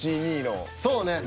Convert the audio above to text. そうね。